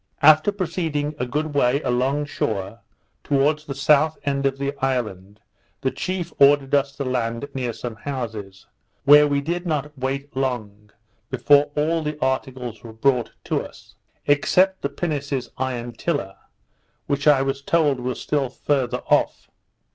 After proceeding a good way along shore, towards the south end of the island, the chief ordered us to land near some houses, where we did not wait long before all the articles were brought to us, except the pinnace's iron tiller, which I was told was still farther off.